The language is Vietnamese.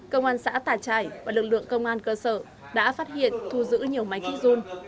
công an xã tà trải và lực lượng công an cơ sở đã phát hiện thu giữ nhiều máy kích run